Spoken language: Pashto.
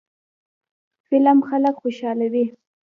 فلم خلک خوشحالوي